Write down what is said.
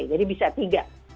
jadi bisa tiga